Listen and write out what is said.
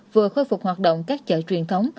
vừa khôi phục hoạt động các chợ truyền thống